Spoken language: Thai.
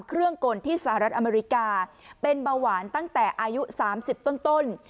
เครื่องกลที่สหรัฐอเมริกาเป็นเบาหวานตั้งแต่อายุสามสิบต้น